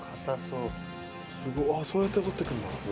うわあそうやって取っていくんだ。